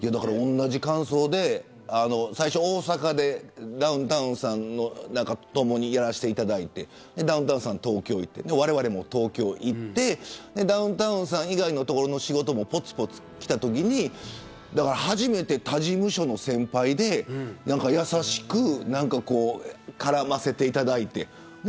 同じ感想で大阪でダウンタウンさんと一緒にやらせていただいてダウンタウンさんが東京に行ってわれわれも東京に行ってダウンタウンさん以外の仕事もぽつぽつきたときに初めて他事務所の先輩で優しく絡ませていただいて。